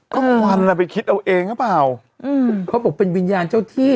ก็ควันล่ะไปคิดเอาเองหรือเปล่าอืมเขาบอกเป็นวิญญาณเจ้าที่